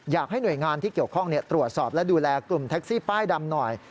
อยากให้หน่วยงานที่เกี่ยวข้องตรวจสอบและดูแลกลุ่มแท็กซี่ป้ายดำหน่อย